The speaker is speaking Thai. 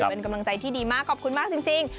เป็นกำลังใจที่ดีมากขอบคุณมากจริง